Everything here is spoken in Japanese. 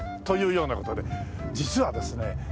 というような事で実はですね